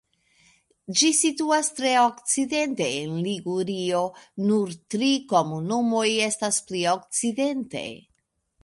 Ĝi situas tre okcidente en Ligurio; nur tri komunumoj estas pli okcidente.